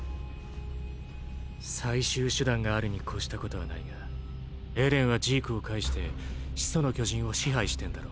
最終手段があるに越したことはないがエレンはジークを介して「始祖の巨人」を支配してんだろ？